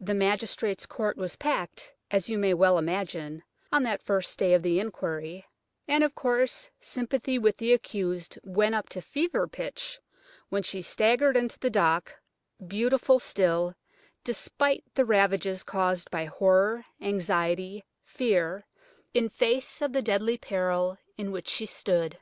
The magistrate's court was packed, as you may well imagine, on that first day of the inquiry; and, of course, sympathy with the accused went up to fever pitch when she staggered into the dock, beautiful still, despite the ravages caused by horror, anxiety, fear, in face of the deadly peril in which she stood.